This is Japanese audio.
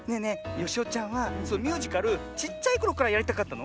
よしおちゃんはミュージカルちっちゃいころからやりたかったの？